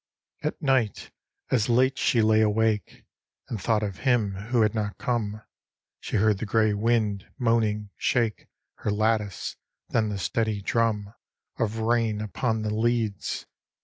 At night, as late she lay awake, And thought of him who had not come, She heard the gray wind, moaning, shake Her lattice; then the steady drum Of rain upon the leads....